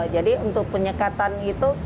jadi untuk penyekatan itu